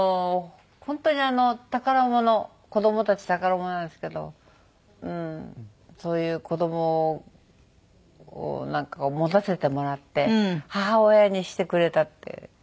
本当に宝物子どもたち宝物なんですけどうーんそういう子どもを持たせてもらって母親にしてくれたって。